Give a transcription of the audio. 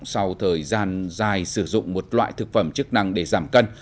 sau thời gian dài sử dụng một loại thực phẩm chức năng để giảm cân